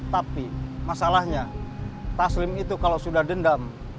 tapi masalahnya taslim itu kalau sudah dendam